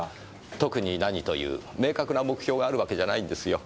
特に何という明確な目標があるわけじゃないんですよ。